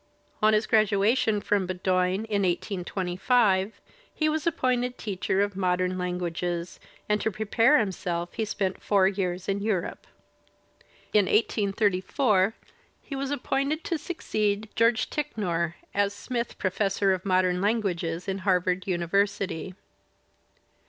On his graduation from Bowdoin, in 1825, he was appointed teacher of modem languages, and to prepare himself he spent four years in Europe. In 1884 he was appointed to succeed George Ti<^or as Smith Professor of Modern Languages in Harvard University.